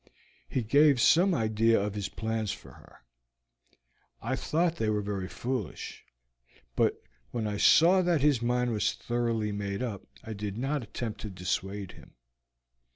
He gave some idea of his plans for her. I thought they were very foolish, but when I saw that his mind was thoroughly made up I did not attempt to dissuade him.